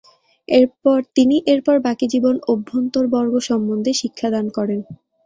তিনি এরপর বাকি জীবন অভ্যন্তরবর্গ সম্বন্ধে শিক্ষাদান করেন।